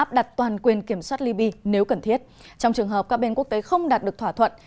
áp đặt toàn quyền kiểm soát libya nếu cần thiết trong trường hợp các bên quốc tế không đạt được thỏa thuận